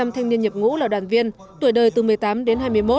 một mươi thanh niên nhập ngũ là đoàn viên tuổi đời từ một mươi tám đến hai mươi một